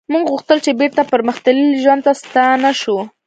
موږ غوښتل چې بیرته پرمختللي ژوند ته ستانه شو